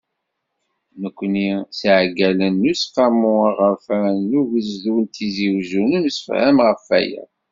Nekkni s yiɛeggalen n Useqqamu Aɣerfan n Ugezdu n Tizi Uzzu, nemsefham ɣef waya.